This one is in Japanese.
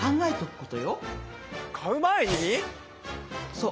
そう。